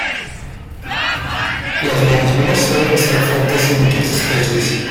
Las mandíbulas suelen ser fuertes en muchas especies.